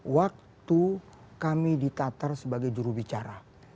waktu kami ditatar sebagai jurubicara